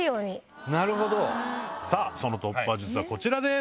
その突破術はこちらです。